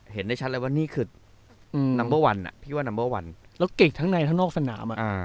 เห็นได้ชัดเลยว่านี่คือนัมเบอร์วันพี่ว่านัมเบอร์วันแล้วเก่งทั้งในทั้งนอกสนาม